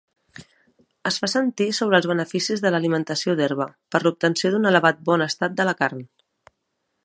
Es fa sentir sobre els beneficis de l'alimentació d'herba, per l'obtenció d'un elevat bon estat de la carn.